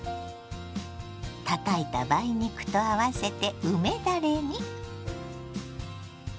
たたいた梅肉と合わせて梅だれに。